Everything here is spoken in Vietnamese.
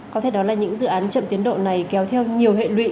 có thể đó là những dự án chậm tiến độ này kéo theo nhiều hệ lụy